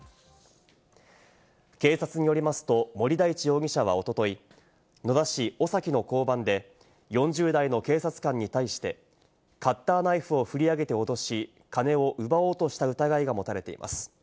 警察によりますと、森大地容疑者はおととい、野田市尾崎の交番で４０代の警察官に対して、カッターナイフをふり上げて脅し、金を奪おうとした疑いが持たれています。